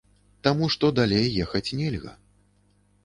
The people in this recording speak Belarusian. Таму што далей ехаць нельга.